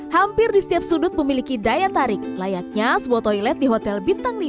hampir di setiap sudut memiliki daya tarik layaknya sebuah toilet di hotel bintang lima